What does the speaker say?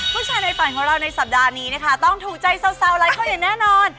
ผู้ชายในฝันของเราในสัปดาห์นี้นะคะต้องถูกใจสาวหลายคนอย่างแน่นอน